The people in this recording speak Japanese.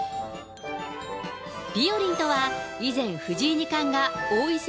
ぴよりんとは、以前、藤井二冠が王位戦